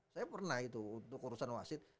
saya pernah itu untuk urusan wasit